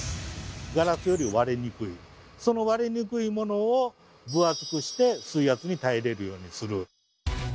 ガラスより割れにくいその割れにくいものを分厚くして水圧に耐えれるようにする。